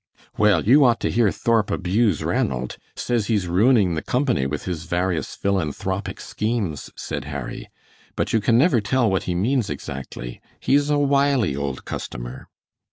"Well, you ought to hear Thorp abuse Ranald. Says he's ruining the company with his various philanthropic schemes," said Harry, "but you can never tell what he means exactly. He's a wily old customer."